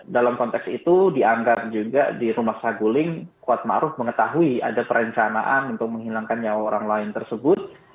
dalam konteks itu dianggap juga di rumah saguling kuat maruf mengetahui ada perencanaan untuk menghilangkan nyawa orang lain tersebut